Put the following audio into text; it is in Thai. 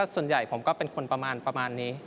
ส่วนใหญ่ผมก็เป็นคนประมาณนี้